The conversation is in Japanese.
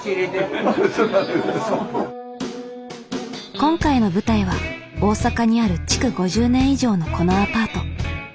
今回の舞台は大阪にある築５０年以上のこのアパート。